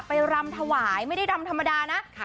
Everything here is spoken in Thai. รำถวายไม่ได้รำธรรมดานะ